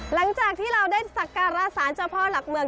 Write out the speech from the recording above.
หลังจากที่เราได้สักการะสารเจ้าพ่อหลักเมือง